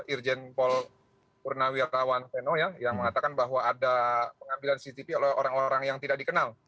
irjen paul purnawiratawan feno ya yang mengatakan bahwa ada pengambilan cctv oleh orang orang yang tidak dikenal